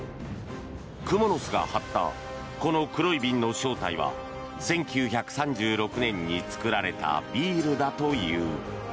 クモの巣が張ったこの黒い瓶の正体は１９３６年に造られたビールだという。